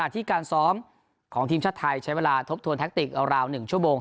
ที่การซ้อมของทีมชาติไทยใช้เวลาทบทวนแท็กติกราว๑ชั่วโมง